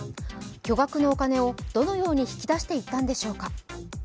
巨額のお金をどのように引き出していったんでしょうか。